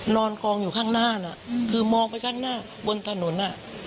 นอนกองอยู่ข้างหน้าน่ะคือมองไปข้างหน้าบนถนน